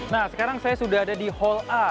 nah sekarang saya sudah ada di hall a